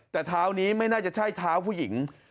แต่เท้านี้ไม่น่าจะใช่เท้าผู้หญิง